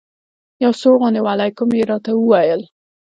یو سوړ غوندې وعلیکم یې راته وویل.